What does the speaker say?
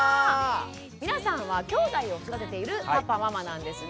皆さんはきょうだいを育てているパパママなんですね。